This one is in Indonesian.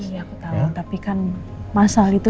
iya aku tau tapi kan mas al itu